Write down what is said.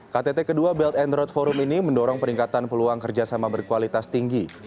ktt kedua belt and road forum ini mendorong peningkatan peluang kerjasama berkualitas tinggi